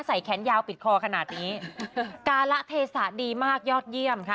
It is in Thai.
แขนยาวปิดคอขนาดนี้การละเทศะดีมากยอดเยี่ยมค่ะ